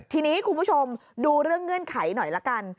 ทีนี้คุณผู้ชมดูเรื่องเงื่อนไขหน่อยละกัน